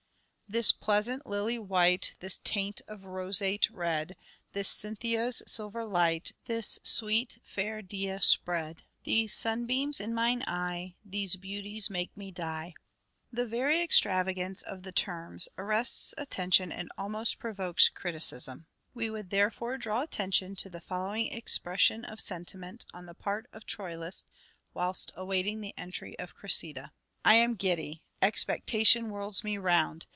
" This pleasant lily white, This taint of roseate red ; This Cynthia's silver light, This sweet fair Dea spread ; These sunbeams in mine eye, These beauties make me die." The very extravagance of the terms arrests attention and almost provokes criticism. We would therefore draw attention to the following expression of sentiment on the part of Troilus whilst awaiting the entry of Cressida :" I am giddy ; expectation whirls me round.